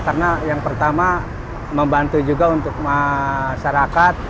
karena yang pertama membantu juga untuk masyarakat